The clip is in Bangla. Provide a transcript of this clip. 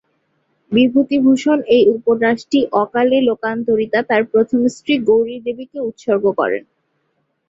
বিভূতিভূষণ এই উপন্যাসটি অকালে-লোকান্তরিতা তার প্রথমা স্ত্রী গৌরী দেবীকে উৎসর্গ করেন।